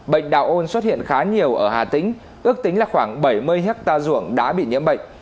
bệnh đạo ôn xuất hiện khá nhiều ở hà tĩnh ước tính là khoảng bảy mươi hectare ruộng đã bị nhiễm bệnh